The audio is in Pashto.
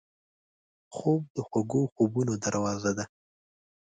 خوب د خوږو خوبونو دروازه ده